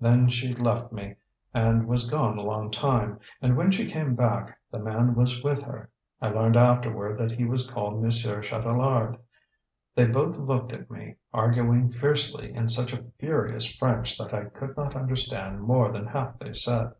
Then she left me and was gone a long time; and when she came back, that man was with her. I learned afterward that he was called Monsieur Chatelard. They both looked at me, arguing fiercely in such a furious French that I could not understand more than half they said.